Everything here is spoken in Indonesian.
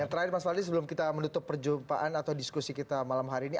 terakhir mas fadli sebelum kita menutup perjumpaan atau diskusi kita malam hari ini